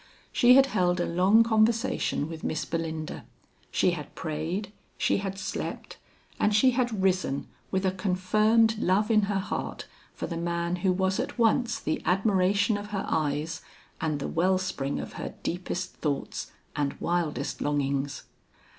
She had held a long conversation with Miss Belinda, she had prayed, she had slept and she had risen with a confirmed love in her heart for the man who was at once the admiration of her eyes and the well spring of her deepest thoughts and wildest longings.